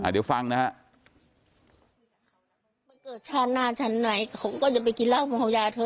เดี๋ยวฟังนะครับ